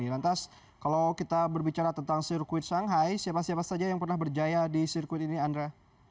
lantas kalau kita berbicara tentang sirkuit shanghai siapa siapa saja yang pernah berjaya di sirkuit ini andra